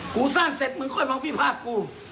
ผู้สร้างมึงหน่อยไม่ฟ้าทุกคน